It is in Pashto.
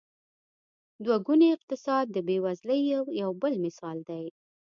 دوه ګونی اقتصاد د بېوزلۍ یو بل مثال دی.